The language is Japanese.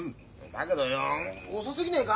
だけどよ遅すぎねえか？